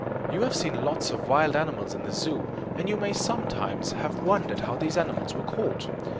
You have seen lots of wild animals in the zoo, and you may sometimes have wondered how these animals were caught.